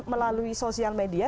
melalui sosial media